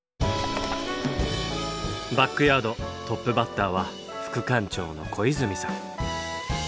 バックヤードトップバッターは副館長の小泉さん。